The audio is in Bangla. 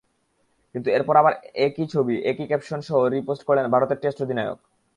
কিন্তু এরপর আবার একই ছবি, একই ক্যাপশনসহ রি-পোস্ট করলেন ভারতের টেস্ট অধিনায়ক।